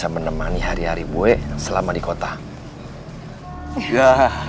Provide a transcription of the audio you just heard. terima kasih rotongga